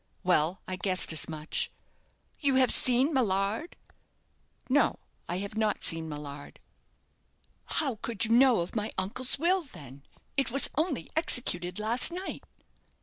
"Well, I guessed as much." "You have seen Millard?" "No, I have not seen Millard." "How could you know of my uncle's will, then? It was only executed last night."